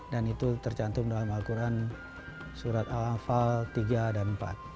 dan itu tercantum dalam al quran surat al afal tiga dan empat